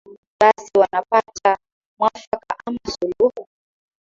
basi wanapata mwafaka ama suluhu